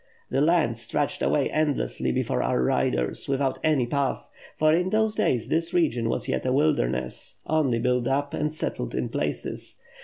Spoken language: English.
The land stretched away endlessly before our riders, without any path; for in those days this region was yet a wilderness, only built up and settled in places.